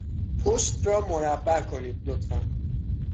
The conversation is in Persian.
پشت را مربع کنید، لطفا.